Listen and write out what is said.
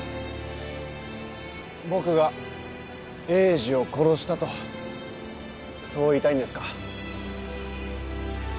僕が栄治を殺したとそう言いたいんですか？